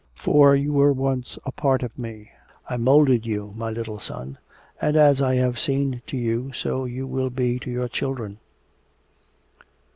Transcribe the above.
For you were once a part of me. I moulded you, my little son. And as I have been to you, so you will be to your children.